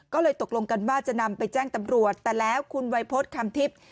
ก็เลยตกลงกันว่าจะนำไปแจ้งตำรวจแต่แล้วคุณวัยพฤษคำทิพย์